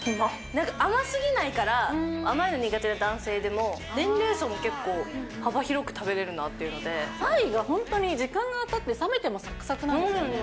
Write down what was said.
なんか甘すぎないから、甘いの苦手な男性でも、年齢層も、結構幅広く食べれるなっていうので、パイが本当に時間がたっても冷めてもさくさくなんですよね。